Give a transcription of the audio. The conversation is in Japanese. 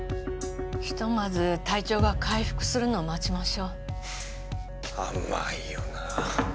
ひとまず体調が回復するのを待ちましょう甘いよな・